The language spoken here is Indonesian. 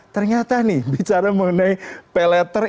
ternyata nih bicara mengenai pay letter